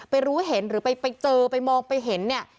รู้เห็นหรือไปเจอไปมองไปเห็นเนี่ย